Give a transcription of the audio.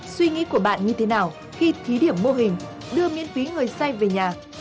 suy nghĩ của bạn như thế nào khi thí điểm mô hình đưa miễn phí người say về nhà